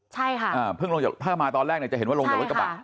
ใช่ค่ะอ่าเพิ่งลงจากถ้ามาตอนแรกเนี่ยจะเห็นว่าลงจากรถกระบะ